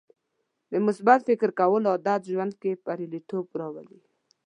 د مثبت فکر کولو عادت ژوند کې بریالیتوب راولي.